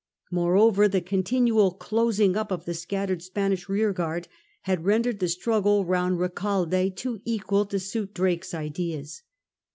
More over, the continual closing up of the scattered Spanish rearguard had rendered the struggle round Eecalde too equal to suit Drake's ideas.